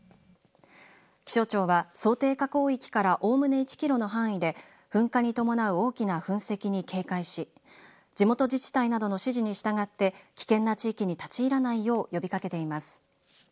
気象庁は想定火口域からおおむね１ｋｍの範囲で噴火に伴う大きな噴石に警戒し地元自治体などの指示に従って危険な地域に立ち入らないよう呼びかけています。